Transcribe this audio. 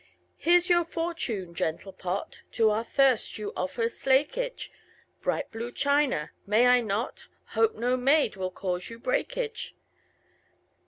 Here's your fortune, gentle pot: To our thirst you offer slakeage; Bright blue china, may I not Hope no maid will cause you breakage.